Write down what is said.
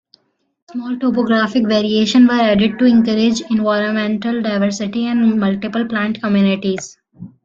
Small topographic variations were added to encourage environmental diversity and multiple plant communities.